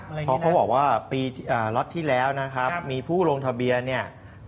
เพราะเขาบอกว่าปีล็อตที่แล้วนะครับมีผู้ลงทะเบียนเนี่ย